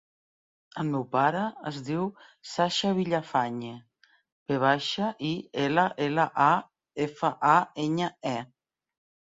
El meu pare es diu Sasha Villafañe: ve baixa, i, ela, ela, a, efa, a, enya, e.